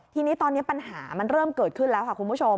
ทีนี้ตอนนี้ปัญหามันเริ่มเกิดขึ้นแล้วค่ะคุณผู้ชม